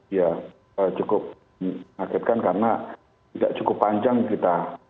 ya cukup mengakibkan karena tidak cukup panjang kita